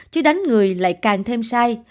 chứ đánh người lại càng thêm sai